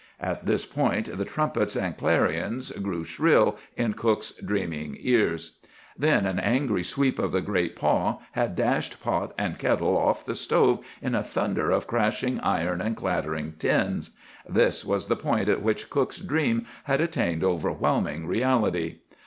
At this point the trumpets and clarions grew shrill in cook's dreaming ears. "Then an angry sweep of the great paw had dashed pot and kettle off the stove in a thunder of crashing iron and clattering tins. This was the point at which cook's dream had attained overwhelming reality.